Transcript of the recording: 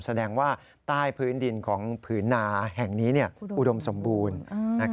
แสดงว่าใต้พื้นดินของผืนนาแห่งนี้อุดมสมบูรณ์